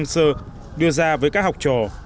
họ đưa ra với các học trò